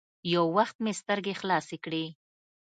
يو وخت مې سترګې خلاصې کړې.